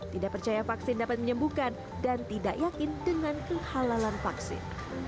tidak percaya vaksin dapat menyembuhkan dan tidak yakin dengan kehalalan vaksin